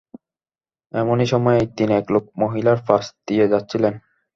এমনি সময় একদিন এক লোক মহিলার পাশ দিয়ে যাচ্ছিলেন।